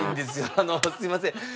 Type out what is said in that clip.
すみません。